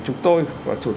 và tụi tụi tất cả chúng ta